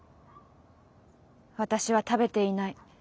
私は食べていない。